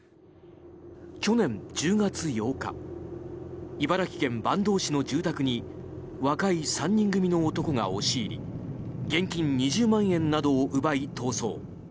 去年１０月８日茨城県坂東市の住宅に若い３人組の男が押し入り現金２０万円などを奪い逃走。